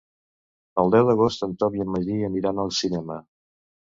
El deu d'agost en Tom i en Magí aniran al cinema.